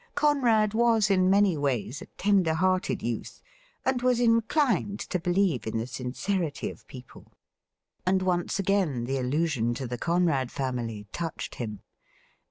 Conrad was in many ways a tender hearted youth, and was inclined to believe in the sincerity of people, and 98 THE RIDDLE RING once again the allusion to the Conrad family touched him.